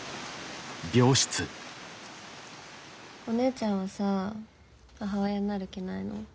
お姉ちゃんはさ母親になる気ないの？